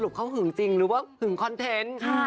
เขาหึงจริงหรือว่าหึงคอนเทนต์